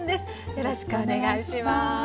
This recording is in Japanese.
よろしくお願いします。